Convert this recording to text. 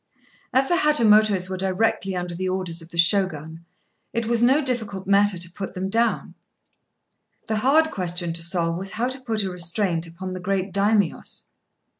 As the Hatamotos were directly under the orders of the Shogun, it was no difficult matter to put them down: the hard question to solve was how to put a restraint upon the great Daimios.